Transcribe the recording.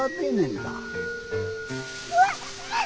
うわっ虫！